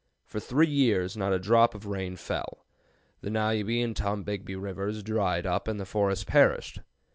For three years not a drop of rain fell. The Nowubee and Tombigbee Rivers dried up and the forests perished.